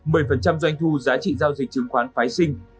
một mươi doanh thu giá trị giao dịch chứng khoán phái sinh